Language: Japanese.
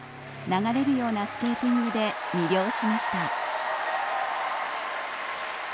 流れるようなスケーティングで魅了しました。